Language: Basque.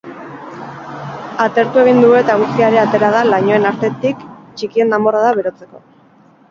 Atertu egin du eta eguzkia ere atera da lainoen artetik txikien danborrada berotzeko.